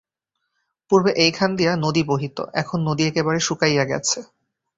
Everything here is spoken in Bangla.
পূর্বে এইখান দিয়া নদী বহিত, এখন নদী একেবারে শুকাইয়া গেছে।